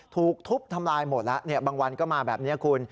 ถูกทุบทำลายหมดแล้วบางวันก็มาแบบนี้คุณ